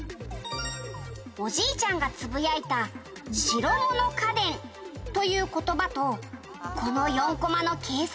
「おじいちゃんがつぶやいた“白物家電”という言葉とこの４コマの掲載